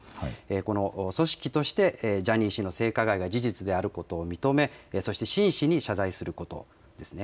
この組織として、ジャニー氏の性加害が事実であることを認め、そして真摯に謝罪することですね。